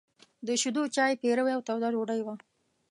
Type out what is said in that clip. د شيدو چای، پيروی او توده ډوډۍ وه.